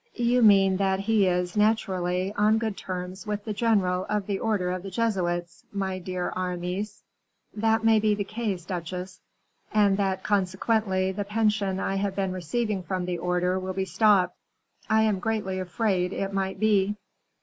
"You mean, that he is, naturally, on good terms with the general of the order of the Jesuits, my dear Aramis." "That may be the case, duchesse." "And that, consequently, the pension I have been receiving from the order will be stopped." "I am greatly afraid it might be."